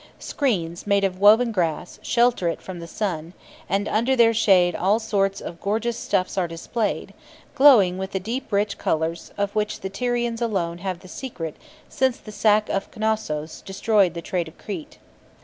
Screens, made of woven grass, shelter it from the sun, and under their shade all sorts of gorgeous stuffs are displayed, glowing with the deep rich colours, of which the Tyrians alone have the secret since the sack of Knossos destroyed the trade of Crete.